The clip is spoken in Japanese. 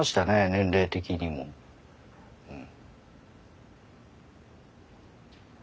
年齢的にもうん。